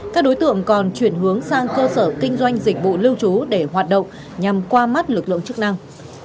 các đối tượng còn chuyển hướng sang cơ sở kinh doanh dịch vụ lưu trú để hoạt động nhằm qua mắt lực lượng chức năng